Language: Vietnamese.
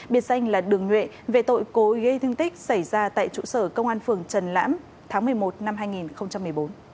biệt danh là đường nhuệ về tội cố ý gây thương tích xảy ra tại trụ sở công an phường trần lãm tháng một mươi một năm hai nghìn một mươi bốn